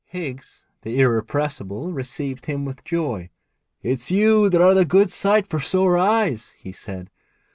Higgs, the irrepressible, received him with joy. 'It's you that are the good sight for sore eyes,' he said.